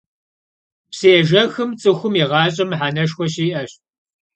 Psıêjjexım ts'ıxum yi ğaş'em mıheneşşxue şi'eş.